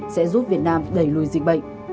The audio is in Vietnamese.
sẽ giúp việt nam đẩy lùi dịch bệnh